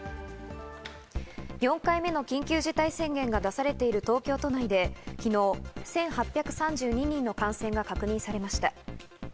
４回目の緊急事態宣言が出されている東京都内で昨日１８３２人の感染が確認されました。